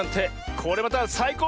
これまたさいこう